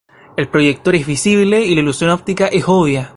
El proyector es visible y la ilusión óptica es obvia.